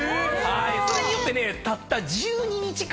それによってねたった。